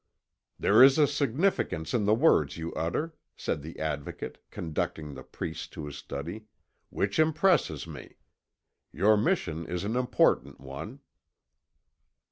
"There is a significance in the words you utter," said the Advocate, conducting the priest to his study, "which impresses me. Your mission is an important one."